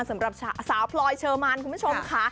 สำหรับสาวพลอยเชอร์มานคุณผู้ชมค่ะ